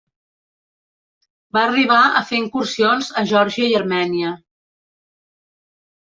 Va arribar a fer incursions a Geòrgia i Armènia.